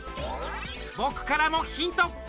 僕からもヒント。